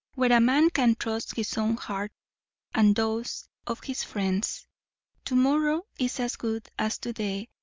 Where a man can trust his own heart, and those of his friends, to morrow is as good as to day.